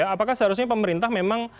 apakah seharusnya pemerintah memang